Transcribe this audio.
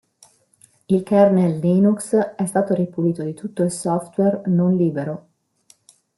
Il kernel Linux è stato ripulito di tutto il software non-libero.